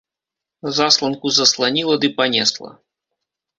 Засланку засланіла ды панесла.